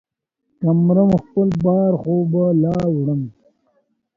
که مرم ، خپل بار خو به لا وړم.